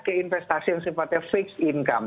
ke investasi yang sifatnya fixed income